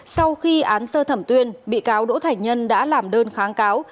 sau khi án sơ thẩm tuyên bị cáo đỗ thành nhân đã làm đơn kháng cáo